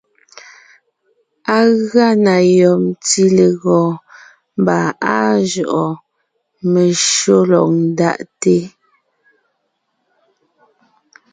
Á gʉa na yɔb ntí legɔɔn, mbà áa jʉʼɔɔn, meshÿó lɔg ńdaʼte.